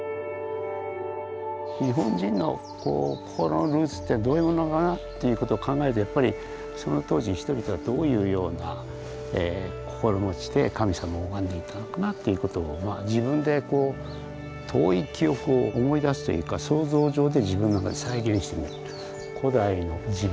日本人の心のルーツってどういうものかなということを考えるとやっぱりその当時人々がどういうような心持ちで神様を拝んでいたのかなということを自分でこう遠い記憶を思い出すというか想像上で自分の中で再現してみる。